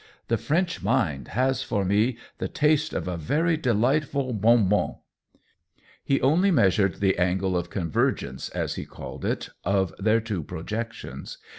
The French mind has, for me, the taste of a very de lightful bon bon P^ He only measured the angle of convergence, as he called it, of their two projections.